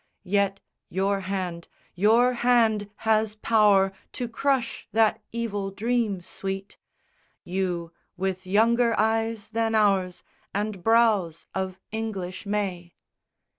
Yet your hand, your hand, has power to crush that evil dream, sweet; You, with younger eyes than ours And brows of English may.